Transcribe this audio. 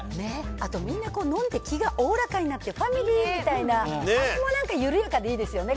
あとみんな、飲んで気がおおらかになって、ファミリーみたいな、あそこもなんか緩やかでいいですよね。